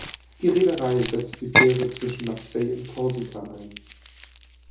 Die Reederei setzt die Fähre zwischen Marseille und Korsika ein.